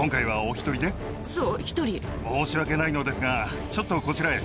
申し訳ないのですがちょっとこちらへ。